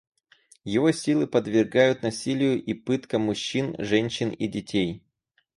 Его силы подвергают насилию и пыткам мужчин, женщин и детей.